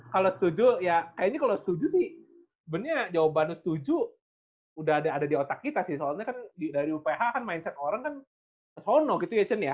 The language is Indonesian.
kalau setuju ya kayaknya kalau setuju sih sebenarnya jawabannya setuju udah ada di otak kita sih soalnya kan dari uph kan mindset orang kan sono gitu ya chen ya